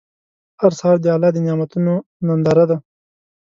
هر سهار د الله د نعمتونو ننداره ده.